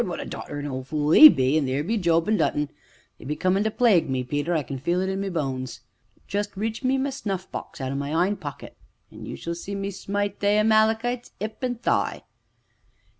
what a dodderin' old fule 'e be, an' theer be Job, an' Dutton they be comin' to plague me, Peter, I can feel it in my bones. Jest reach me my snuff box out o' my 'ind pocket, an' you shall see me smite they Amalekites 'ip an' thigh."